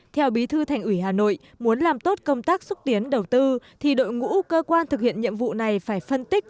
theo bí thư thành ủy hà nội muốn làm tốt công tác xúc tiến đầu tư thì đội ngũ cơ quan thực hiện nhiệm vụ này phải phân tích